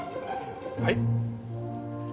はい？